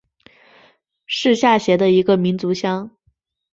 是下辖的一个民族乡。